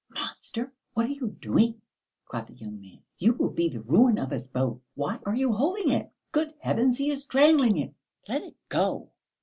"Monster! what are you doing?" cried the young man. "You will be the ruin of us both! Why are you holding it? Good heavens, he is strangling it! Let it go!